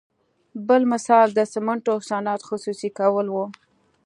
بل مثال د سمنټو صنعت خصوصي کول وو.